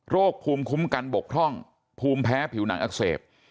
ภูมิคุ้มกันบกพร่องภูมิแพ้ผิวหนังอักเสบ